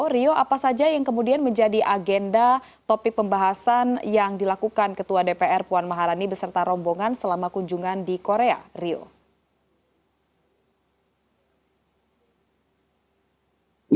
rio apa saja yang kemudian menjadi agenda topik pembahasan yang dilakukan ketua dpr puan maharani beserta rombongan selama kunjungan di korea rio